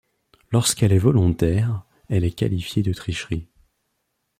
Lorsqu'elle est volontaire, elle est qualifiée de tricherie.